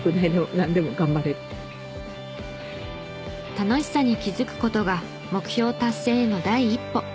楽しさに気づく事が目標達成への第一歩。